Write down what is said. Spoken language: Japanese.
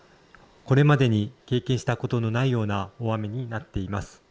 これまでに経験したことのないような大雨になっています。